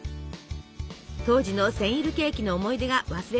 当時のセンイルケーキの思い出が忘れられないそう。